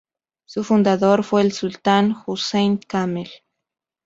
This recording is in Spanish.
Su fundador fue el Sultán Hussein Kamel.